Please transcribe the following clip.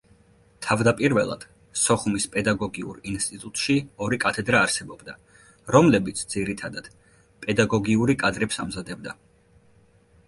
თავდაპირველად, სოხუმის პედაგოგიურ ინსტიტუტში ორი კათედრა არსებობდა, რომლებიც, ძირითადად, პედაგოგიური კადრებს ამზადებდა.